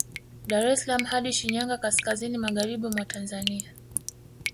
Dar es salaam hadi Shinyanga kaskazini magharibi mwa Tanzania